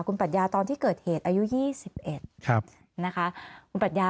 คุณปัชยาตอนที่เกิดเด็กอายุ๒๑นะคะ